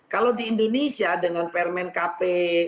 kalau di indonesia dengan permen kp